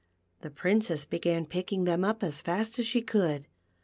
The Princess began picking them up as fast as she could.